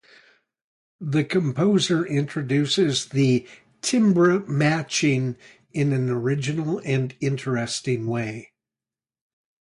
The composer introduces the "timbre matching" in an original and interesting way.